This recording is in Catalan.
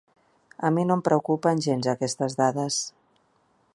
A mi no em preocupen gens aquestes dades.